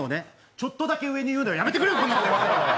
ちょっとだけ上に言うなよやめてくれよこんなこと言わせるのは！